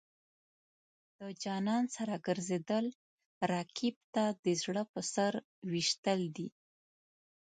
د جانان سره ګرځېدل، رقیب ته د زړه په سر ویشتل دي.